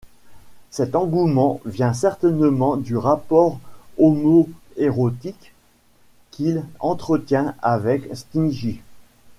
Cet engouement vient certainement du rapport homoérotique qu'il entretient avec Shinji.